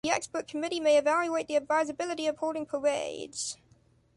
The expert committee may evaluate the advisability of holding parades.